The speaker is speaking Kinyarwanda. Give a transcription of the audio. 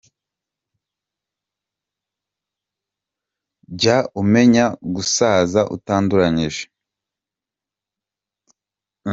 Jya umenya gusaza utanduranyije.